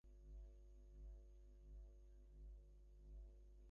জেরিকে খুঁজে বের করতে হবে।